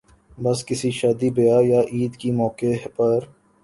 بس کسی شادی بیاہ یا عید کے موقع پر